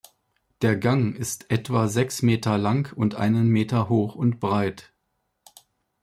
Der Gang ist etwa sechs Meter lang und einen Meter hoch und breit.